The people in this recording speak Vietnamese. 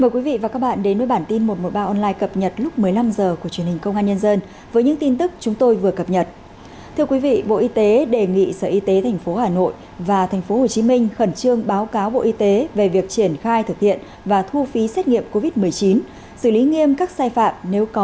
các bạn hãy đăng ký kênh để ủng hộ kênh của chúng mình nhé